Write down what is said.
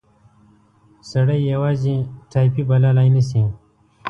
سړی یې یوازې ټایپي بللای نه شي.